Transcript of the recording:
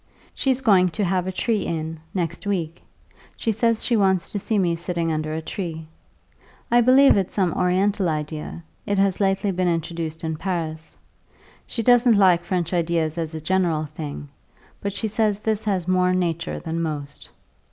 She's going to have a tree in, next week; she says she wants to see me sitting under a tree. I believe it's some oriental idea; it has lately been introduced in Paris. She doesn't like French ideas as a general thing; but she says this has more nature than most.